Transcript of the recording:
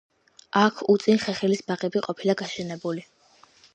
აქ უწინ ხეხილის ბაღები ყოფილა გაშენებული.